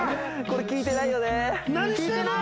これ聞いてないよマジで！